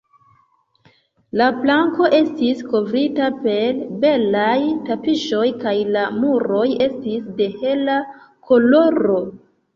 La planko estis kovrita per belaj tapiŝoj, kaj la muroj estis de hela koloro.